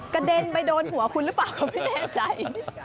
เด็นไปโดนหัวคุณหรือเปล่าก็ไม่แน่ใจ